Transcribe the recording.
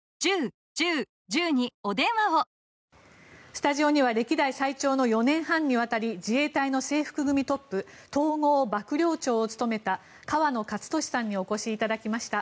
スタジオには歴代最長の４年半にわたり自衛隊の制服組トップ統合幕僚長を務めた河野克俊さんにお越しいただきました。